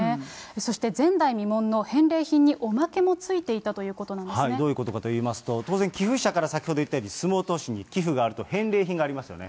そして前代未聞の返礼品におまけもついていたということなんですどういうことかといいますと、当然寄付者から、先ほど言ったように、洲本市に寄付があると返礼品がありますよね。